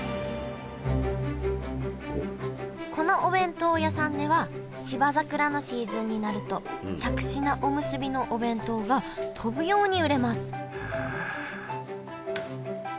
このお弁当屋さんでは芝桜のシーズンになるとしゃくし菜おむすびのお弁当が飛ぶように売れますへえ！